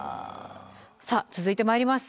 さあ続いてまいります。